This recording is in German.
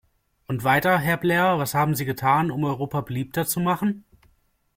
Und weiter, Herr Blair, was haben Sie getan, um Europa beliebter zu machen?